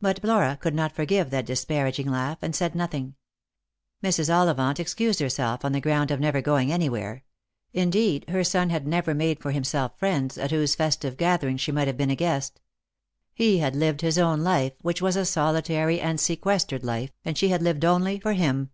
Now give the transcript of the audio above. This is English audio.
But Flora could not forgive that disparaging laugh, and said nothing. Mrs. Ollivant excused herself on the ground of never going anywhere — indeed, her son had never made for himself friends, at whose festive gatherings she might have been a guest. He had lived his own life, which was a solitary and sequestered life, and she had lived only for him.